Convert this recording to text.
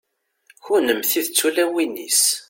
kunemti d tulawin-is